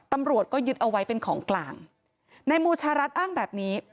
ตำรวจก็ยึดเอาไว้เป็นของกลางนายมูชารัฐอ้างแบบนี้